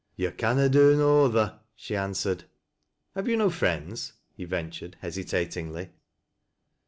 " Tou canna do no other," she answered. " Have you no friends ?" he ventured hesitatingly.